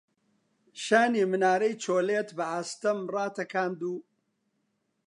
شانی منارەی چۆلیت بە ئاستەم ڕاتەکاند و